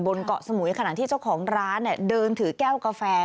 บนเกาะสมุยขณะที่เจ้าของร้านเดินถือแก้วกาแฟ